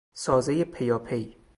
سازهی پیاپی